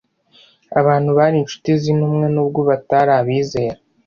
Abantu bari incuti z’intumwa nubwo batari abizera,